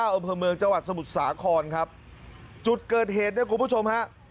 อำเภอเมืองจังหวัดสมุทรสาครครับจุดเกิดเหตุเนี่ยคุณผู้ชมฮะ